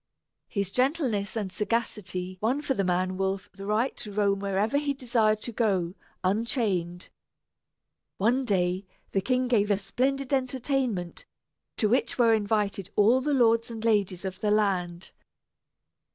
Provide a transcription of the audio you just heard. His gentleness and sagacity won for the man wolf the right to roam wherever he desired to go, unchained. One day the king gave a splendid entertainment, to which were invited all the lords and ladies of the land.